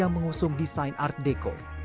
mengusung desain art deco